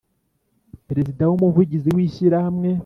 Perezida Umuvugizi w Ishyirahamwe